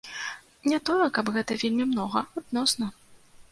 Не тое, каб гэта вельмі многа, адносна.